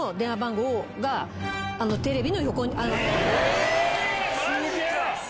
えマジか！